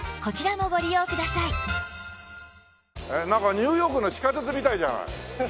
ニューヨークの地下鉄みたいじゃない。